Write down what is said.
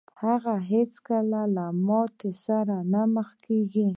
هغه هېڅکله له ماتې سره نه مخ کېږي.